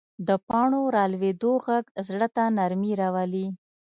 د پاڼو رالوېدو غږ زړه ته نرمي راولي